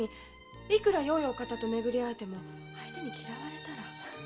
いくらよいお方とめぐりあえても相手に嫌われたら。